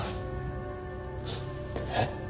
えっ？